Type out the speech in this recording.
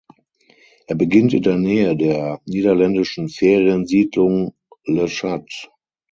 Er beginnt in der Nähe der niederländischen Feriensiedlung "Le Chat".